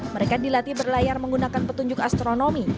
mereka dilatih berlayar menggunakan petunjuk astronomi